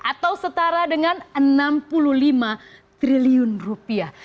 atau setara dengan enam puluh lima triliun rupiah